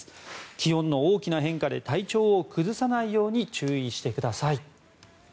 気温の大きな変化で体調を崩さないように注意してください。